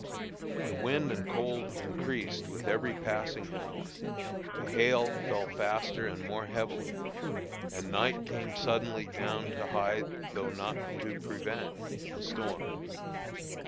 The wind and cold increased with every passing hour, the hail fell faster and more heavily, and night came suddenly down to hide, though not to prevent, the storm.